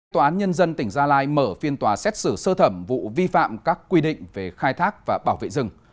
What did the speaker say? tòa án nhân dân tỉnh gia lai mở phiên tòa xét xử sơ thẩm vụ vi phạm các quy định về khai thác và bảo vệ rừng